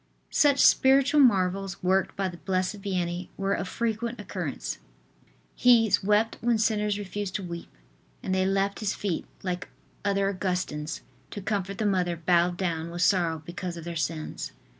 Such spiritual marvels, worked by the Blessed Vianney, were of frequent occurrence. He wept when sinners refused to weep, and they left his feet like other Augustines, to comfort the mother bowed down with sorrow because of their sins.